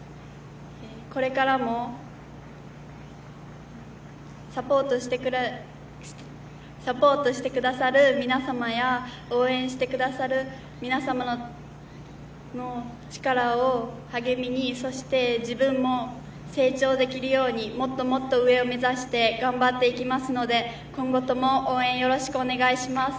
これからも、サポートしてくださる皆様や、応援してくださる皆様の力を励みに、そして、自分も成長できるように、もっともっと上を目指して頑張っていきますので、今後とも、応援よろしくお願いします。